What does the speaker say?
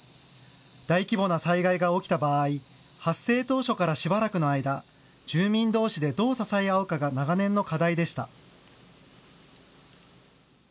大規模な災害が起きた場合、発生当初からしばらくの間、住民どうしでどう支え合うかが長年の課題でした。